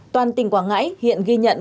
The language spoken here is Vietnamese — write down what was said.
toàn tỉnh quảng ngãi hiện ghi nhận